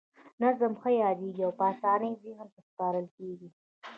نظم ښه یادیږي او په اسانۍ ذهن ته سپارل کیږي.